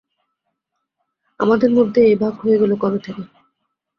আমাদের মধ্যে এই ভাগ হয়ে গেল কবে থেকে।